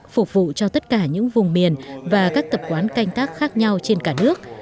phục vụ cho tất cả những vùng miền và các tập quán canh tác khác nhau trên cả nước